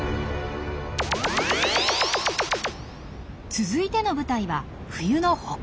続いての舞台は冬の北海道。